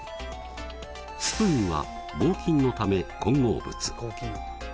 スプーンは合金のため混合物。